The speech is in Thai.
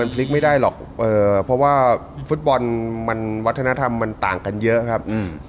เพราะว่าฟุตบอลมันวัฒนธรรมมันต่างกันเยอะครับ